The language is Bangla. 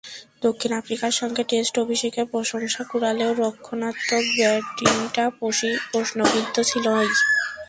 দক্ষিণ আফ্রিকার সঙ্গে টেস্ট অভিষেকে প্রশংসা কুড়ালেও, রক্ষণাত্মক ব্যাটিংটা প্রশ্নবিদ্ধ ছিলই।